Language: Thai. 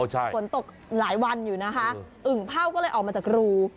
ฝนตกหลายวันอยู่นะคะอึ่งเผ่าก็เลยออกมาจากรู